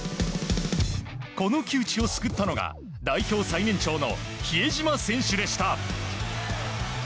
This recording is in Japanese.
この窮地を救ったのが代表最年長の比江島選手でした。